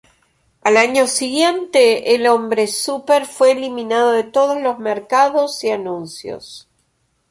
Al año siguiente, el nombre "Super" fue eliminado de todos los mercados y anuncios.